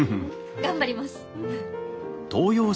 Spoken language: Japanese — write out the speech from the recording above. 頑張ります。